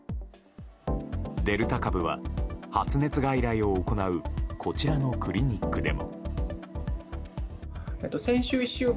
デルタ株は発熱外来を行うこちらのクリニックでも。